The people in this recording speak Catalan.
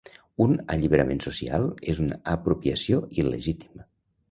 Un alliberament social és una apropiació il·legítima.